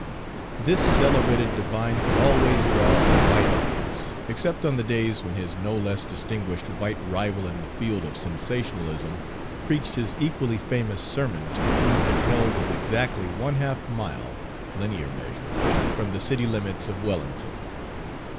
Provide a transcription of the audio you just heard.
This celebrated divine could always draw a white audience, except on the days when his no less distinguished white rival in the field of sensationalism preached his equally famous sermon to prove that hell was exactly one half mile, linear measure, from the city limits of Wellington.